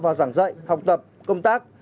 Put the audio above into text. và giảng dạy học tập công tác